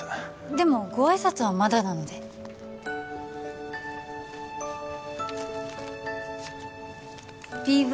でもご挨拶はまだなのでＢＶ